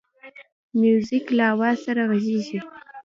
موزیک له آواز سره غږیږي.